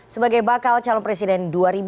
sebagai bakal calon presiden dua ribu dua puluh